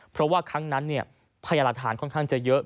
เพราะว่าครั้งนั้นเนี่ยพยารฐานค่อนข้างจะเยอะ